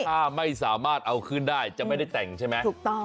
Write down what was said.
ถ้าไม่สามารถเอาขึ้นได้จะไม่ได้แต่งใช่ไหมถูกต้อง